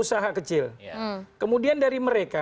usaha kecil kemudian dari mereka